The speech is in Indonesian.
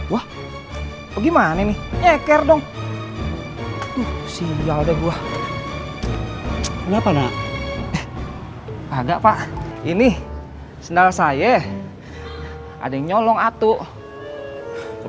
wah gimana nih nyeker dong tuh siada gua kenapa nak agak pak ini sendal saya ada yang nyolong atuh